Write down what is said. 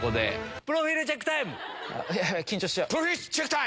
プロフィールチェックタイム。